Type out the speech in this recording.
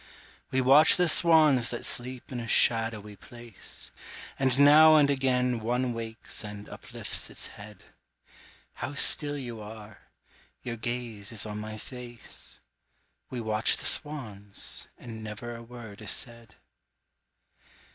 We watch the swans that sleep in a shadowy place, And now and again one wakes and uplifts its head; How still you are your gaze is on my face We watch the swans and never a word is said.